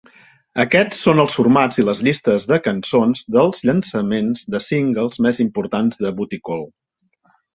Aquests són els formats i les llistes de cançons dels llançaments de singles més importants de "Bootie Call".